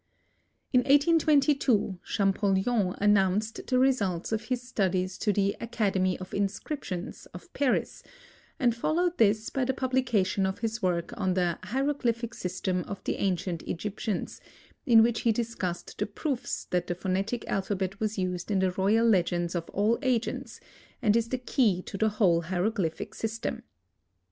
In 1822 Champollion announced the results of his studies to the "Academy of Inscriptions" of Paris, and followed this by the publication of his work on the "Hieroglyphic System of the Ancient Egyptians," in which he discussed the proofs that the phonetic alphabet was used in the royal legends of all ages and is the key to the whole hieroglyphic system.